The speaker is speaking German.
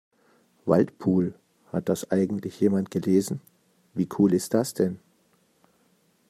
Waldpool, hat das eigentlich jemand gelesen? Wie cool ist das denn?